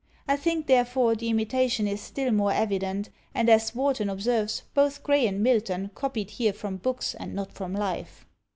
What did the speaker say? I think, therefore, the imitation is still more evident; and as Warton observes, both Gray and Milton copied here from books, and not from life.